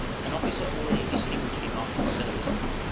an officer already distinguished in Arctic service.